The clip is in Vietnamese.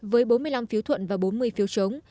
với bốn mươi năm phiếu thuận và bốn mươi phiếu chống